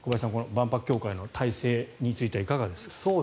万博協会の体制についてはいかがですか。